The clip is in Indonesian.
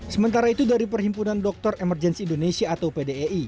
sementara itu dari perhimpunan dokter emergency indonesia atau pdei